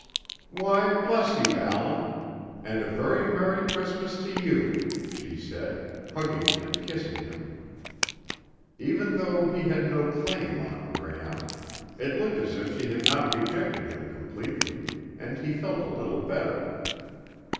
"Why bless you, Allan. And a very Merry Christmas to you," she said, hugging and kissing him. Even though he had no claim on Gram, it looked as if she had not rejected him completely, and he felt a little better.